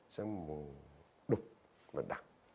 sẽ là một mùi đục và đặc